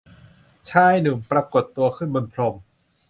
ชายหนุ่มปรากฏตัวขึ้นบนพรม